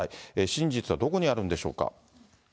真実はどこにあるんでしょうか。